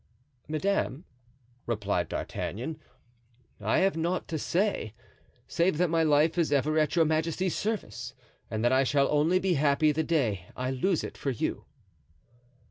"Madame," replied D'Artagnan, "I have nought to say, save that my life is ever at your majesty's service, and that I shall only be happy the day I lose it for you."